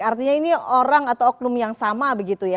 artinya ini orang atau oknum yang sama begitu ya